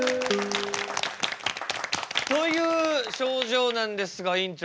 という症状なんですが院長。